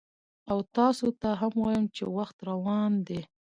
او تاسو ته هم وایم چې وخت روان دی،